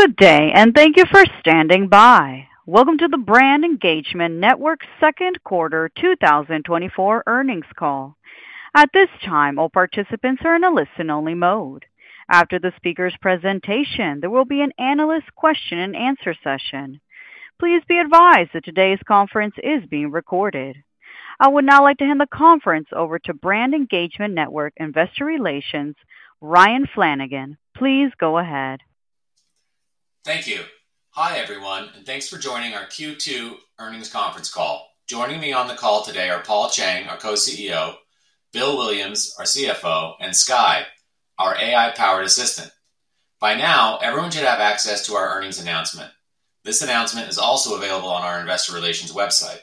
Good day, and thank you for standing by. Welcome to the Brand Engagement Network second quarter 2024 earnings call. At this time, all participants are in a listen-only mode. After the speaker's presentation, there will be an analyst question-and-answer session. Please be advised that today's conference is being recorded. I would now like to hand the conference over to Brand Engagement Network Investor Relations, Ryan Flanagan. Please go ahead. Thank you. Hi, everyone, and thanks for joining our Q2 earnings conference call. Joining me on the call today are Paul Chang, our Co-CEO, Bill Williams, our CFO, and Skye, our AI-powered assistant. By now, everyone should have access to our earnings announcement. This announcement is also available on our investor relations website.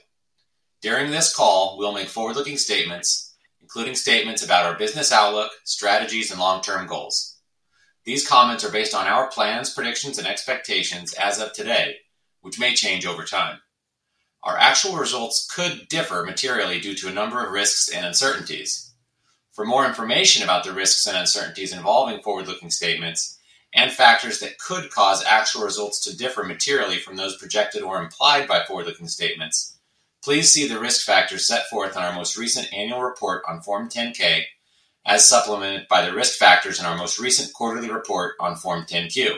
During this call, we'll make forward-looking statements, including statements about our business outlook, strategies, and long-term goals. These comments are based on our plans, predictions, and expectations as of today, which may change over time. Our actual results could differ materially due to a number of risks and uncertainties. For more information about the risks and uncertainties involving forward-looking statements and factors that could cause actual results to differ materially from those projected or implied by forward-looking statements, please see the risk factors set forth in our most recent annual report on Form 10-K as supplemented by the risk factors in our most recent quarterly report on Form 10-Q.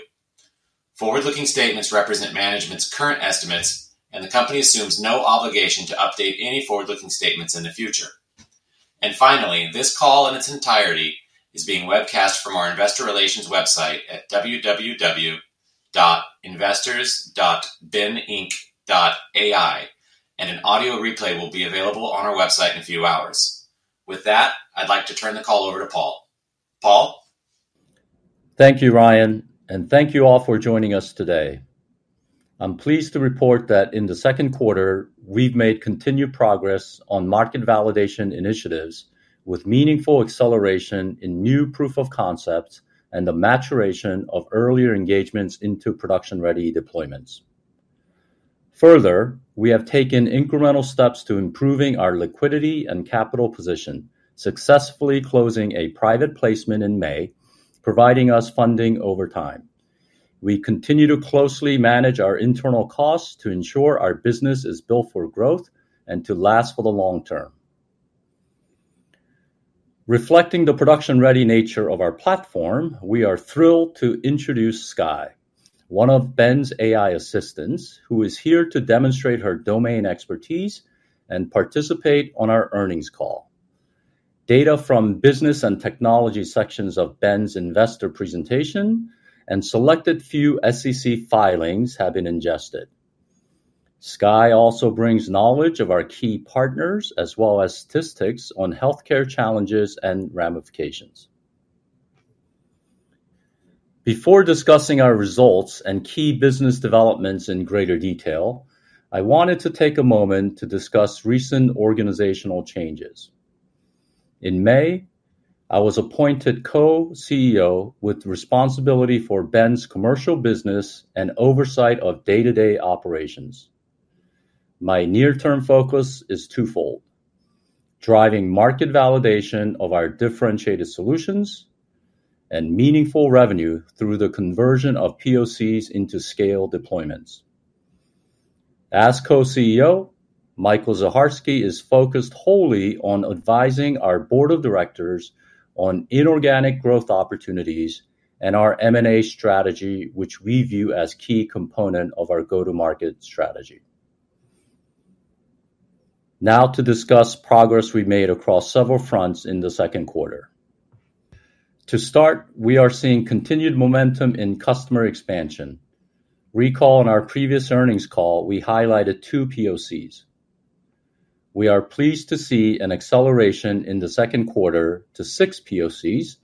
Forward-looking statements represent management's current estimates, and the company assumes no obligation to update any forward-looking statements in the future. Finally, this call in its entirety is being webcast from our investor relations website at www.investors.beninc.ai, and an audio replay will be available on our website in a few hours. With that, I'd like to turn the call over to Paul. Paul? Thank you, Ryan, and thank you all for joining us today. I'm pleased to report that in the second quarter, we've made continued progress on market validation initiatives with meaningful acceleration in new proof of concepts and the maturation of earlier engagements into production-ready deployments. Further, we have taken incremental steps to improving our liquidity and capital position, successfully closing a private placement in May, providing us funding over time. We continue to closely manage our internal costs to ensure our business is built for growth and to last for the long term. Reflecting the production-ready nature of our platform, we are thrilled to introduce Skye, one of BEN's AI assistants, who is here to demonstrate her domain expertise and participate on our earnings call. Data from business and technology sections of BEN's investor presentation and selected few SEC filings have been ingested. Skye also brings knowledge of our key partners, as well as statistics on healthcare challenges and ramifications. Before discussing our results and key business developments in greater detail, I wanted to take a moment to discuss recent organizational changes. In May, I was appointed Co-CEO with responsibility for BEN's commercial business and oversight of day-to-day operations. My near-term focus is twofold: driving market validation of our differentiated solutions and meaningful revenue through the conversion of POCs into scale deployments. As Co-CEO, Michael Zacharski is focused wholly on advising our board of directors on inorganic growth opportunities and our M&A strategy, which we view as key component of our go-to-market strategy. Now to discuss progress we've made across several fronts in the second quarter. To start, we are seeing continued momentum in customer expansion. Recall in our previous earnings call, we highlighted 2 POCs. We are pleased to see an acceleration in the second quarter to 6 POCs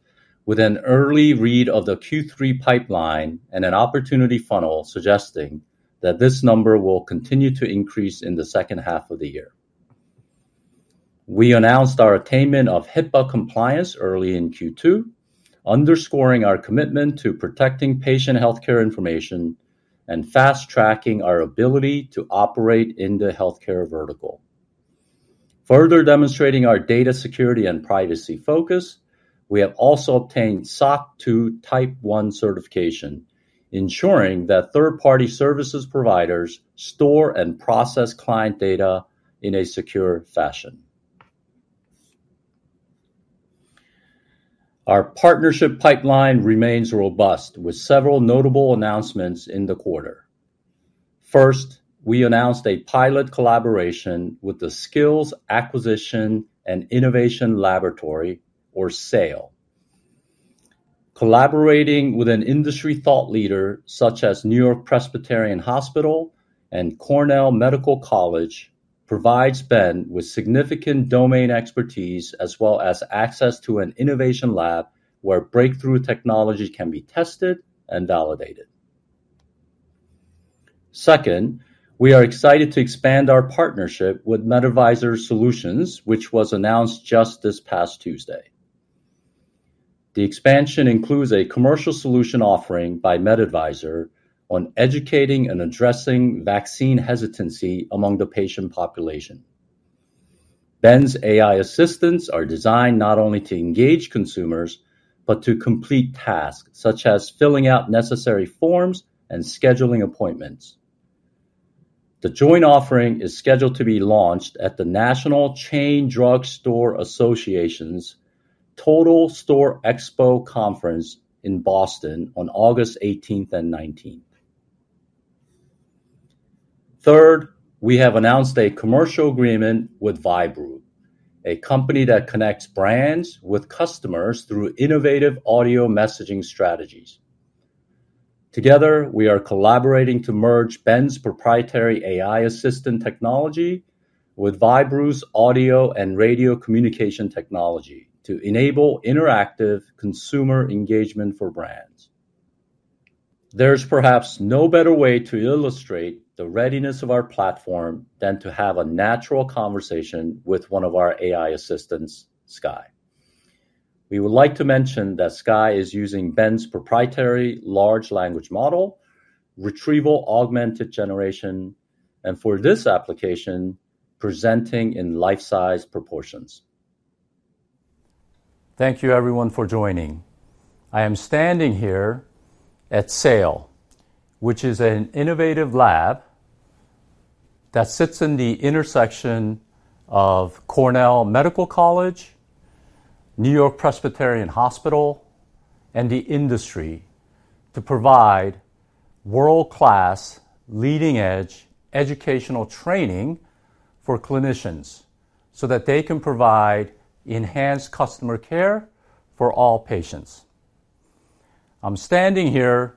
with an early read of the Q3 pipeline and an opportunity funnel suggesting that this number will continue to increase in the second half of the year. We announced our attainment of HIPAA compliance early in Q2, underscoring our commitment to protecting patient healthcare information and fast-tracking our ability to operate in the healthcare vertical. Further demonstrating our data security and privacy focus, we have also obtained SOC 2 Type 1 certification, ensuring that third-party services providers store and process client data in a secure fashion. Our partnership pipeline remains robust, with several notable announcements in the quarter. First, we announced a pilot collaboration with the Skills Acquisition & Innovation Laboratory, or SAIL. Collaborating with an industry thought leader, such as NewYork-Presbyterian Hospital and Weill Cornell Medicine, provides BEN with significant domain expertise as well as access to an innovation lab where breakthrough technology can be tested and validated. Second, we are excited to expand our partnership with MedAdvisor Solutions, which was announced just this past Tuesday. The expansion includes a commercial solution offering by MedAdvisor on educating and addressing vaccine hesitancy among the patient population.... BEN's AI assistants are designed not only to engage consumers, but to complete tasks, such as filling out necessary forms and scheduling appointments. The joint offering is scheduled to be launched at National Association of Chain Drug Stores' Total Store Expo Conference in Boston on August eighteenth and nineteenth. Third, we have announced a commercial agreement with Vybroo, a company that connects brands with customers through innovative audio messaging strategies. Together, we are collaborating to merge BEN's proprietary AI assistant technology with Vybroo's audio and radio communication technology to enable interactive consumer engagement for brands. There's perhaps no better way to illustrate the readiness of our platform than to have a natural conversation with one of our AI assistants, Skye. We would like to mention that Skye is using BEN's proprietary large language model, retrieval-augmented generation, and for this application, presenting in life-size proportions. Thank you everyone for joining. I am standing here at SAIL, which is an innovative lab that sits in the intersection of Weill Cornell Medicine, NewYork-Presbyterian Hospital, and the industry, to provide world-class, leading-edge educational training for clinicians so that they can provide enhanced customer care for all patients. I'm standing here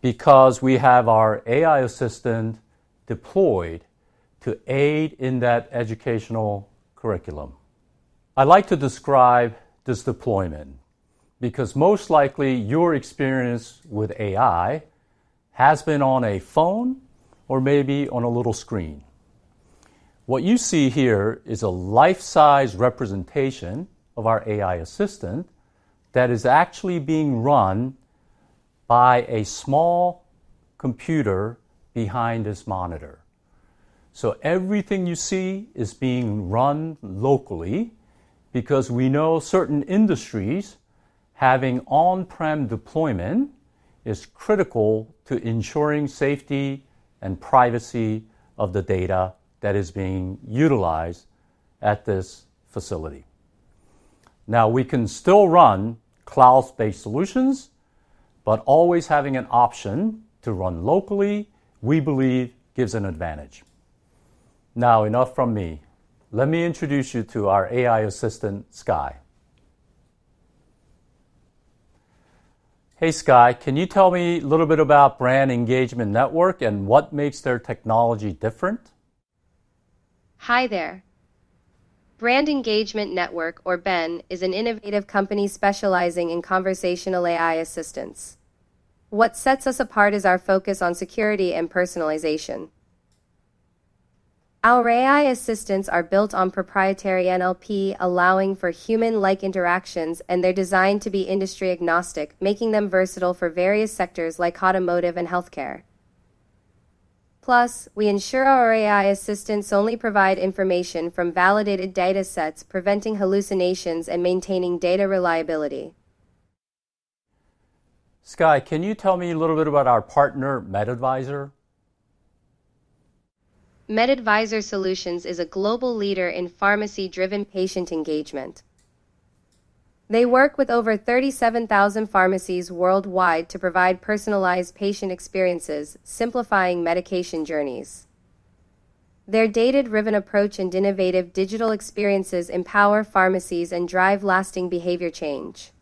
because we have our AI assistant deployed to aid in that educational curriculum. I'd like to describe this deployment, because most likely, your experience with AI has been on a phone or maybe on a little screen. What you see here is a life-size representation of our AI assistant that is actually being run by a small computer behind this monitor. So everything you see is being run locally, because we know certain industries, having on-prem deployment is critical to ensuring safety and privacy of the data that is being utilized at this facility. Now, we can still run cloud-based solutions, but always having an option to run locally, we believe, gives an advantage. Now, enough from me. Let me introduce you to our AI assistant, Skye. Hey, Skye, can you tell me a little bit about Brand Engagement Network and what makes their technology different? Hi there. Brand Engagement Network, or BEN, is an innovative company specializing in conversational AI assistance. What sets us apart is our focus on security and personalization. Our AI assistants are built on proprietary NLP, allowing for human-like interactions, and they're designed to be industry agnostic, making them versatile for various sectors like automotive and healthcare. Plus, we ensure our AI assistants only provide information from validated data sets, preventing hallucinations and maintaining data reliability. Skye, can you tell me a little bit about our partner, MedAdvisor? MedAdvisor Solutions is a global leader in pharmacy-driven patient engagement. They work with over 37,000 pharmacies worldwide to provide personalized patient experiences, simplifying medication journeys. Their data-driven approach and innovative digital experiences empower pharmacies and drive lasting behavior change.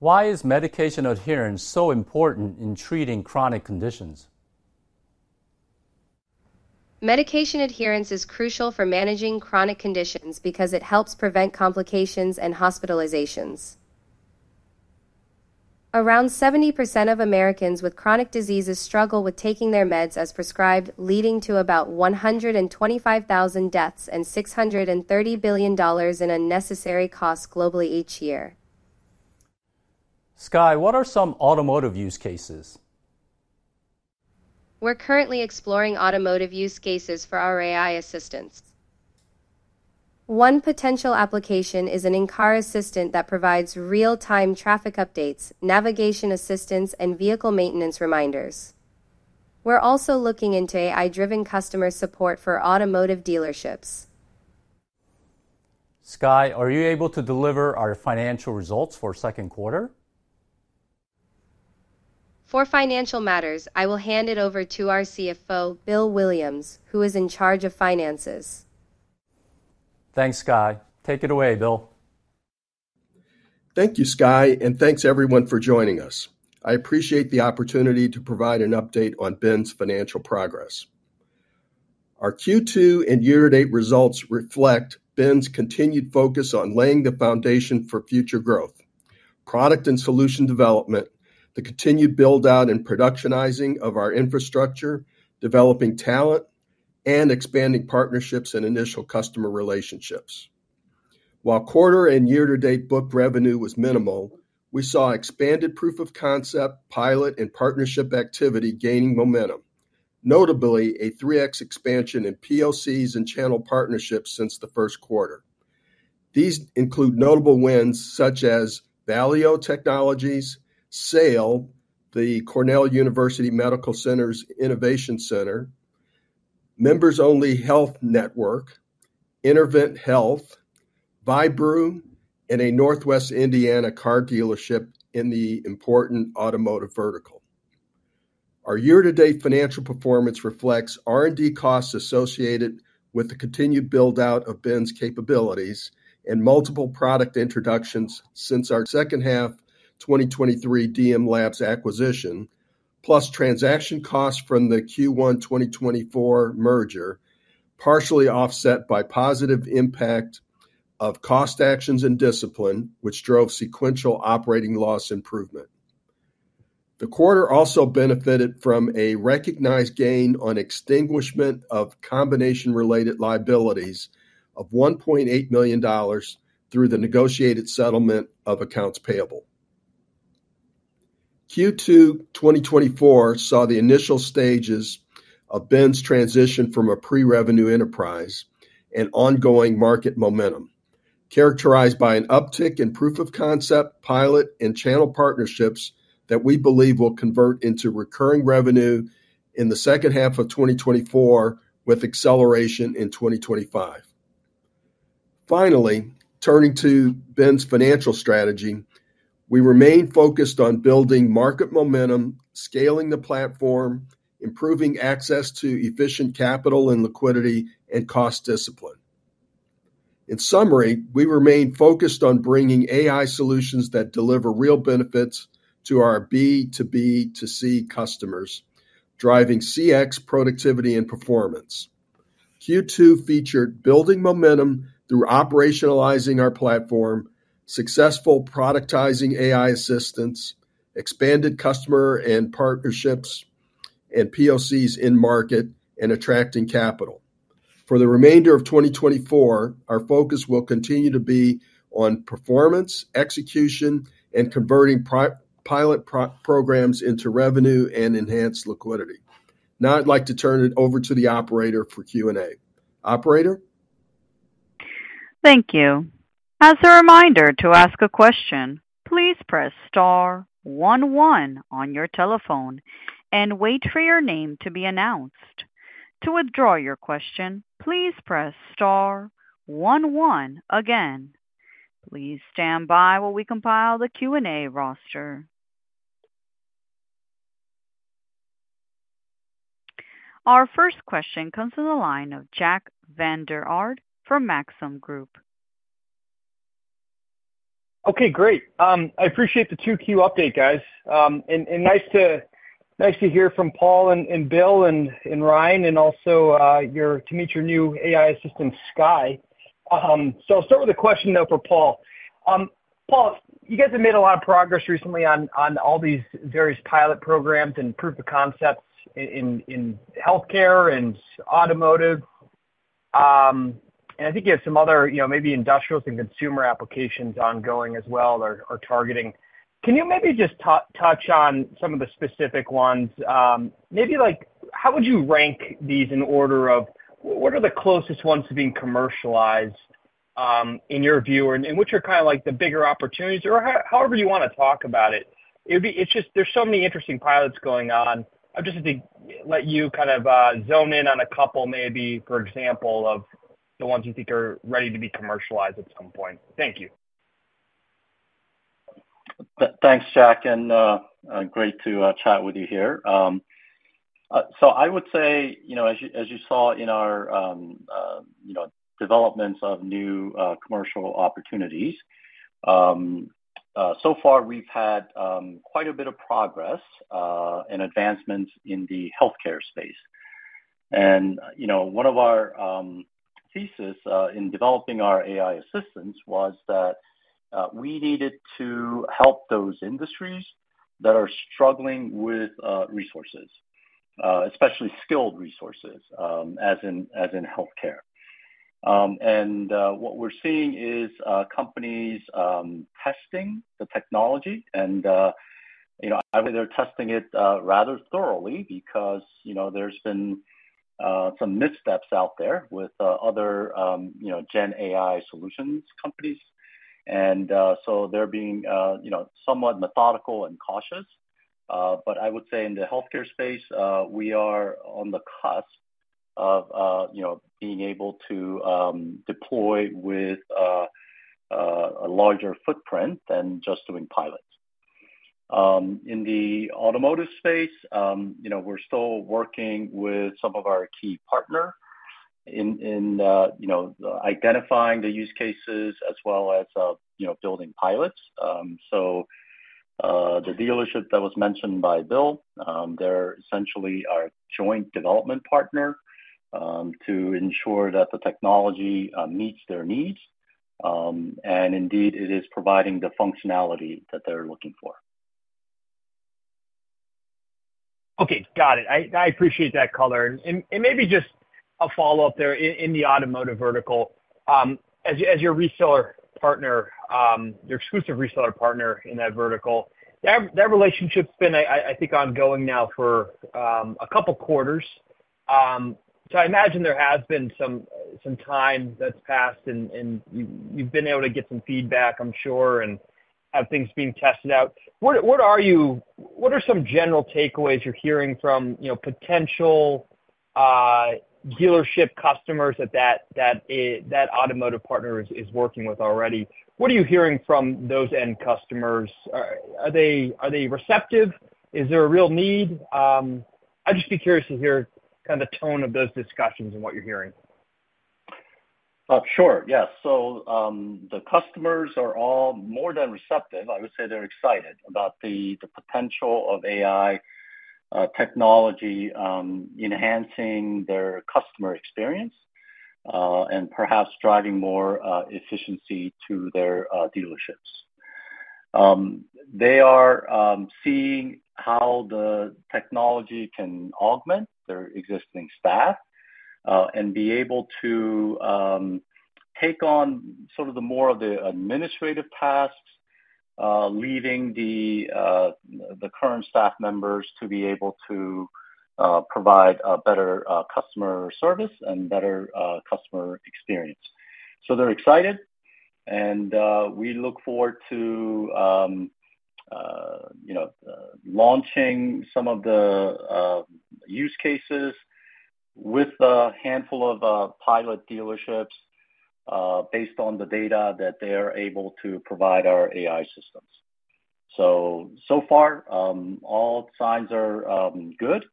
Why is medication adherence so important in treating chronic conditions? Medication adherence is crucial for managing chronic conditions because it helps prevent complications and hospitalizations. Around 70% of Americans with chronic diseases struggle with taking their meds as prescribed, leading to about 125,000 deaths and $630 billion in unnecessary costs globally each year. Skye, what are some automotive use cases? We're currently exploring automotive use cases for our AI assistants. One potential application is an in-car assistant that provides real-time traffic updates, navigation assistance, and vehicle maintenance reminders. We're also looking into AI-driven customer support for automotive dealerships. Skye, are you able to deliver our financial results for second quarter? For financial matters, I will hand it over to our CFO, Bill Williams, who is in charge of finances. Thanks, Skye. Take it away, Bill. Thank you, Skye, and thanks everyone for joining us. I appreciate the opportunity to provide an update on BEN's financial progress. Our Q2 and year-to-date results reflect BEN's continued focus on laying the foundation for future growth, product and solution development, the continued build-out and productionizing of our infrastructure, developing talent, and expanding partnerships and initial customer relationships. While quarter and year-to-date book revenue was minimal, we saw expanded proof of concept, pilot and partnership activity gaining momentum. Notably, a 3x expansion in POCs and channel partnerships since the first quarter. These include notable wins such as Valeo Technologies, SAIL, the Weill Cornell Medicine Innovation Center, Members Only Health Network, Intervent Health, Vybroo, and a Northwest Indiana car dealership in the important automotive vertical. Our year-to-date financial performance reflects R&D costs associated with the continued build-out of BEN's capabilities and multiple product introductions since our second half, 2023 DM Labs acquisition, plus transaction costs from the Q1 2024 merger, partially offset by positive impact of cost actions and discipline, which drove sequential operating loss improvement. The quarter also benefited from a recognized gain on extinguishment of combination-related liabilities of $1.8 million through the negotiated settlement of accounts payable. Q2 2024 saw the initial stages of BEN's transition from a pre-revenue enterprise and ongoing market momentum, characterized by an uptick in proof of concept, pilot, and channel partnerships that we believe will convert into recurring revenue in the second half of 2024, with acceleration in 2025. Finally, turning to BEN's financial strategy, we remain focused on building market momentum, scaling the platform, improving access to efficient capital and liquidity, and cost discipline. In summary, we remain focused on bringing AI solutions that deliver real benefits to our B2B2C customers, driving CX productivity and performance. Q2 featured building momentum through operationalizing our platform, successful productizing AI assistants, expanded customer and partnerships, and POCs in market, and attracting capital. For the remainder of 2024, our focus will continue to be on performance, execution, and converting pilot programs into revenue and enhanced liquidity. Now I'd like to turn it over to the operator for Q&A. Operator? Thank you. As a reminder to ask a question, please press * one one on your telephone and wait for your name to be announced. To withdraw your question, please press * one one again. Please stand by while we compile the Q&A roster. Our first question comes from the line of Jack Vander Aarde from Maxim Group. Okay, great. I appreciate the 2Q update, guys, and nice to hear from Paul and Bill and Ryan, and also to meet your new AI assistant, Skye. So I'll start with a question, though, for Paul. Paul, you guys have made a lot of progress recently on all these various pilot programs and proof of concepts in healthcare and automotive. And I think you have some other, you know, maybe industrials and consumer applications ongoing as well, or targeting. Can you maybe just touch on some of the specific ones? Maybe, like, how would you rank these in order of what are the closest ones to being commercialized, in your view? And which are kind of like the bigger opportunities or however you wanna talk about it. It's just there's so many interesting pilots going on. I'd just like to let you kind of zone in on a couple, maybe, for example, of the ones you think are ready to be commercialized at some point. Thank you. Thanks, Jack, and great to chat with you here. So I would say, you know, as you saw in our, you know, developments of new commercial opportunities, so far we've had quite a bit of progress and advancements in the healthcare space. And, you know, one of our thesis in developing our AI assistants was that we needed to help those industries that are struggling with resources, especially skilled resources, as in healthcare. And what we're seeing is companies testing the technology and, you know, either they're testing it rather thoroughly because, you know, there's been some missteps out there with other, you know, GenAI solutions companies. So they're being, you know, somewhat methodical and cautious. But I would say in the healthcare space, we are on the cusp of, you know, being able to deploy with a larger footprint than just doing pilots. In the automotive space, you know, we're still working with some of our key partner in you know, identifying the use cases as well as, you know, building pilots. So, the dealership that was mentioned by Bill, they're essentially our joint development partner, to ensure that the technology meets their needs, and indeed, it is providing the functionality that they're looking for. ... Okay, got it. I appreciate that, color. And maybe just a follow-up there in the automotive vertical. As your reseller partner, your exclusive reseller partner in that vertical, that relationship's been, I think, ongoing now for a couple quarters. So I imagine there has been some time that's passed and you've been able to get some feedback, I'm sure, and have things being tested out. What are some general takeaways you're hearing from, you know, potential dealership customers that that automotive partner is working with already? What are you hearing from those end customers? Are they receptive? Is there a real need? I'd just be curious to hear kind of the tone of those discussions and what you're hearing. Sure, yes. So, the customers are all more than receptive. I would say they're excited about the, the potential of AI technology enhancing their customer experience, and perhaps driving more efficiency to their dealerships. They are seeing how the technology can augment their existing staff, and be able to take on sort of the more of the administrative tasks, leaving the, the current staff members to be able to provide a better customer service and better customer experience. So they're excited, and we look forward to you know launching some of the use cases with a handful of pilot dealerships based on the data that they are able to provide our AI systems. So, so far, all signs are good.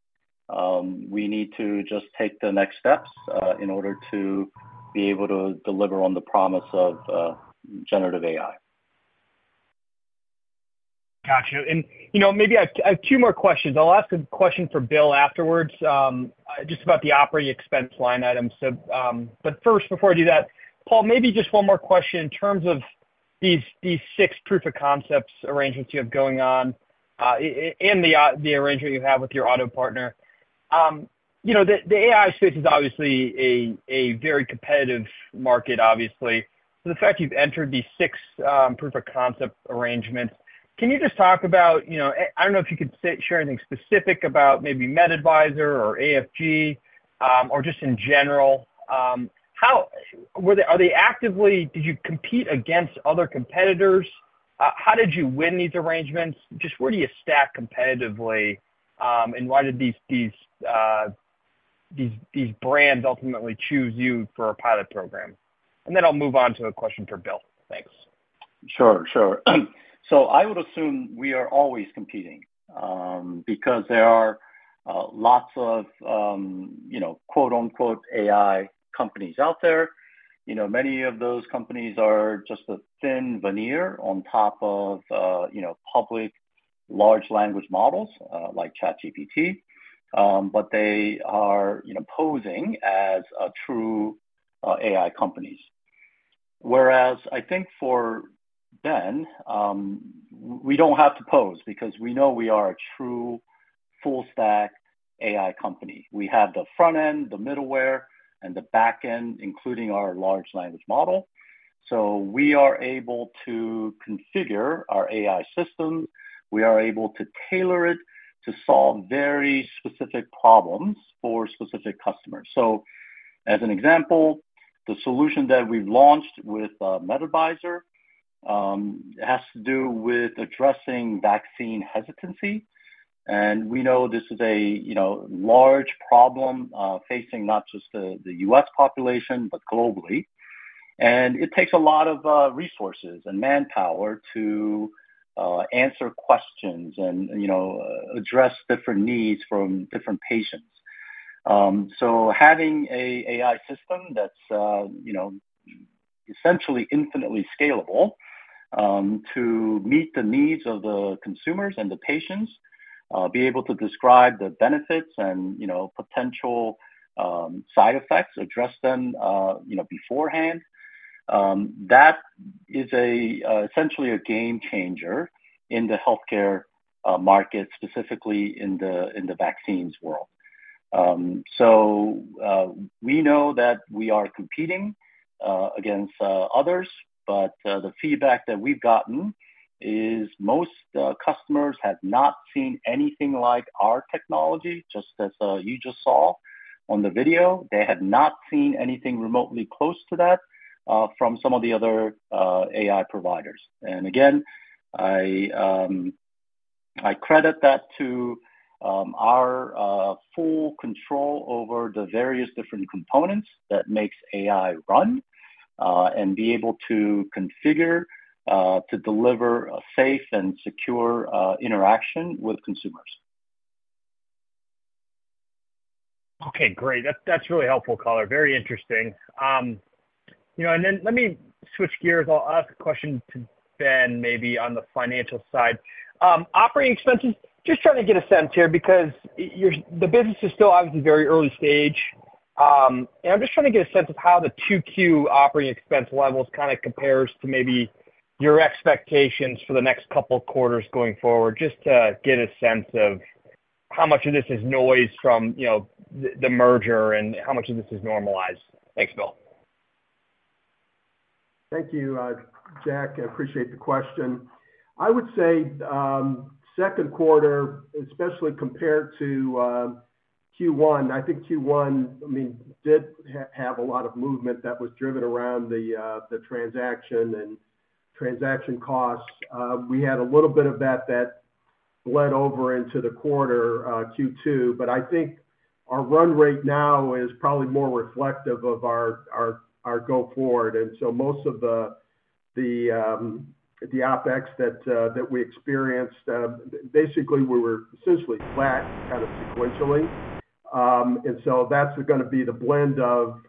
We need to just take the next steps in order to be able to deliver on the promise of generative AI. Gotcha. And, you know, maybe I have, I have two more questions. I'll ask a question for Bill afterwards, just about the operating expense line item. So, but first, before I do that, Paul, maybe just one more question. In terms of these, these six proof-of-concept arrangements you have going on, in, and the arrangement you have with your auto partner, you know, the AI space is obviously a very competitive market, obviously. So the fact you've entered these six proof-of-concept arrangements, can you just talk about, you know, I don't know if you could say, share anything specific about maybe MedAdvisor or AFG, or just in general, how— Were they, are they actively— Did you compete against other competitors? How did you win these arrangements? Just where do you stack competitively, and why did these brands ultimately choose you for a pilot program? And then I'll move on to a question for Bill. Thanks. Sure, sure. So I would assume we are always competing, because there are lots of, you know, quote, unquote, "AI companies" out there. You know, many of those companies are just a thin veneer on top of, you know, public large language models, like ChatGPT, but they are, you know, posing as true AI companies. Whereas I think for BEN, we don't have to pose because we know we are a true full stack AI company. We have the front end, the middleware, and the back end, including our large language model. So we are able to configure our AI system. We are able to tailor it to solve very specific problems for specific customers. So, as an example, the solution that we've launched with MedAdvisor has to do with addressing vaccine hesitancy. We know this is a, you know, large problem facing not just the U.S., population, but globally. It takes a lot of resources and manpower to answer questions and, you know, address different needs from different patients. So having an AI system that's, you know, essentially infinitely scalable to meet the needs of the consumers and the patients, be able to describe the benefits and, you know, potential side effects, address them, you know, beforehand, that is essentially a game changer in the healthcare market, specifically in the vaccines world. So we know that we are competing against others, but the feedback that we've gotten is most customers have not seen anything like our technology, just as you just saw on the video. They have not seen anything remotely close to that from some of the other AI providers. And again, I credit that to our full control over the various different components that makes AI run and be able to configure to deliver a safe and secure interaction with consumers. Okay, great. That's, that's really helpful, color. Very interesting. You know, and then let me switch gears. I'll ask a question to BEN, maybe on the financial side. Operating expenses, just trying to get a sense here, because your business is still obviously very early stage. And I'm just trying to get a sense of how the 2Q operating expense levels kind of compares to maybe your expectations for the next couple quarters going forward, just to get a sense of how much of this is noise from, you know, the merger and how much of this is normalized. Thanks, Bill. Thank you, Jack. I appreciate the question. I would say, second quarter, especially compared to, Q1, I think Q1, I mean, did have a lot of movement that was driven around the, the transaction and transaction costs. We had a little bit of that bled over into the quarter, Q2, but I think our run rate now is probably more reflective of our go forward. And so most of the, the OpEx that we experienced, basically, we were essentially flat, kind of sequentially. And so that's gonna be the blend of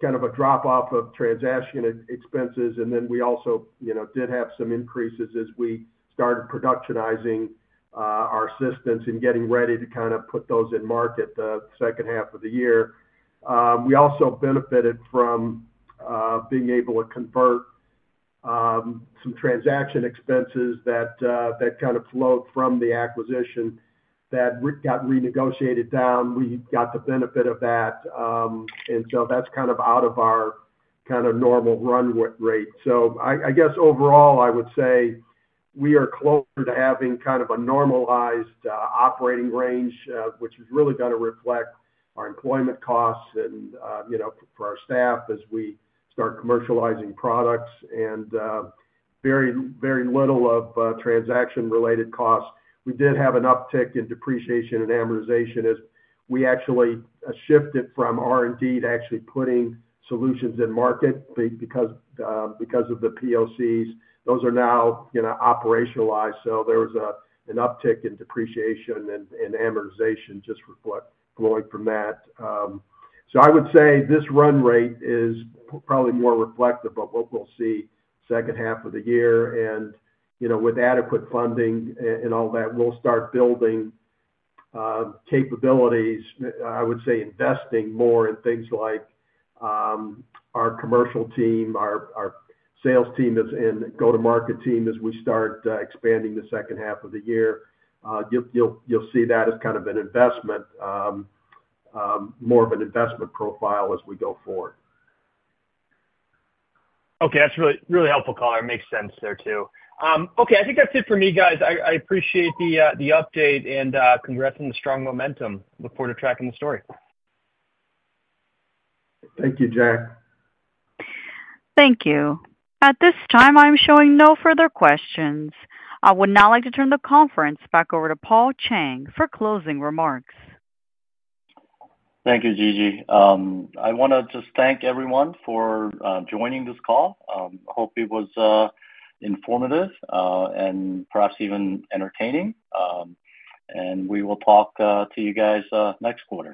kind of a drop-off of transaction expenses. And then we also, you know, did have some increases as we started productionizing our systems and getting ready to kind of put those in market the second half of the year. We also benefited from being able to convert some transaction expenses that that kind of flowed from the acquisition, that we got renegotiated down. We got the benefit of that. So that's kind of out of our kind of normal run rate. So I guess overall, I would say we are closer to having kind of a normalized operating range, which is really gonna reflect our employment costs and you know, for our staff as we start commercializing products and very, very little of transaction-related costs. We did have an uptick in depreciation and amortization as we actually shifted from R&D to actually putting solutions in market because of the POCs. Those are now you know, operationalized, so there was an uptick in depreciation and amortization just reflect flowing from that. So I would say this run rate is probably more reflective of what we'll see second half of the year, and, you know, with adequate funding and all that, we'll start building capabilities. I would say investing more in things like our commercial team, our sales team, as in go-to-market team, as we start expanding the second half of the year. You'll see that as kind of an investment, more of an investment profile as we go forward. Okay, that's really, really helpful, color. It makes sense there, too. Okay, I think that's it for me, guys. I appreciate the update and congrats on the strong momentum. Look forward to tracking the story. Thank you, Jack. Thank you. At this time, I'm showing no further questions. I would now like to turn the conference back over to Paul Chang for closing remarks. Thank you, Gigi. I wanna just thank everyone for joining this call. Hope it was informative, and perhaps even entertaining. We will talk to you guys next quarter.